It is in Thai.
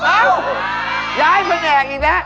เอ้าย้ายไปแอกอีกแล้ว